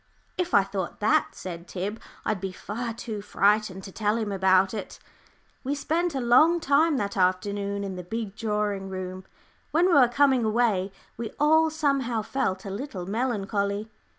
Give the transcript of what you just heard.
"If I thought that," said Tib, "I'd be far too frightened to tell him about it." We spent a long time that afternoon in the big drawing room. When we were coming away, we all somehow felt a little melancholy.